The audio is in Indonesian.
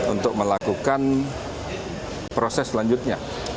untuk melakukan proses selanjutnya